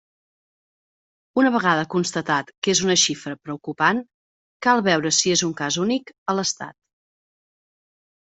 Una vegada constatat que és una xifra preocupant, cal veure si és un cas únic a l'Estat.